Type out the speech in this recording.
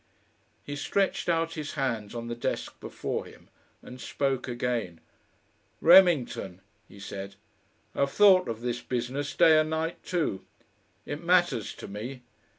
He stretched out his hands on the desk before him, and spoke again. "Remington," he said, "I've thought of this business day and night too. It matters to me.